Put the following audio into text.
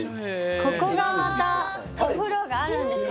ここがまたお風呂があるんですよ。